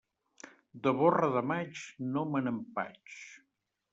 De borra de maig, no me n'empatx.